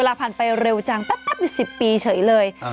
ผ่านไปเร็วจังแป๊บ๑๐ปีเฉยเลย